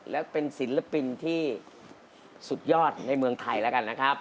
และเป็นศิลปินที่สุดยอดในเมืองไทยแล้วกันนะครับ